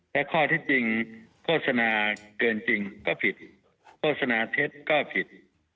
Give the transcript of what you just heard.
และข้อที่จริงโฆษณาเกินจริงก็ผิดโฆษณาเท็จก็ผิด